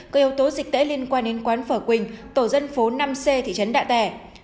có yếu tố dịch tễ liên quan đến quán phở quỳnh tổ dân phố năm c thị trấn đạ tẻ